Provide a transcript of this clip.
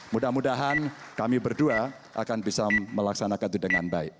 mudah mudahan kami berdua akan bisa melaksanakan itu dengan baik